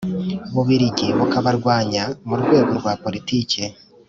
Bubirigi bukabarwanya mu rwego rwa poritiki